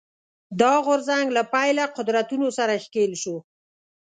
دا غورځنګ له پیله قدرتونو سره ښکېل شو